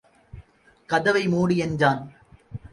கதவை மூடு என்றான்.